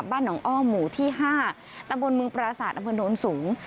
บ้านหนองอ้อมหมู่ที่๕ตำบลเมืองปราศาสตร์อำเภอโน้นสูง